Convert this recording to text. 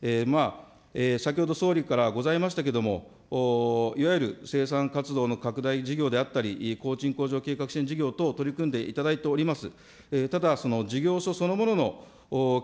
先ほど、総理からございましたけれども、いわゆる生産活動の拡大事業であったり、工賃向上計画支援事業等、取り組んでいただいております。